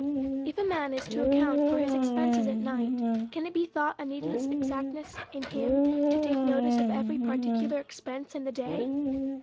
If a man is to account for his expenses at night, can it be thought a needless exactness in him, to take notice of every particular expense in the day